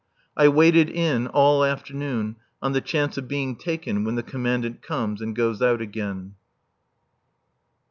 I waited in all afternoon on the chance of being taken when the Commandant comes and goes out again.